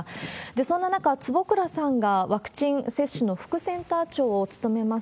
そんな中、坪倉さんがワクチン接種の副センター長を務めます